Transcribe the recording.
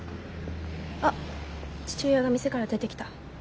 あっ父親が店から出てきた。